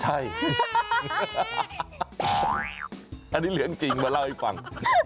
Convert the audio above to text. ใช่อันนี้เหลืองจริงมาเล่าให้ฟัง